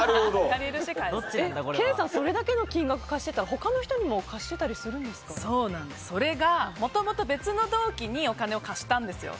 ケイさん、それだけの金額を貸していたら他の人にもそれがもともと別の同期にお金を貸したんですよ。